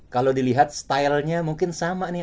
kalau dilihat stylenya mungkin sama nih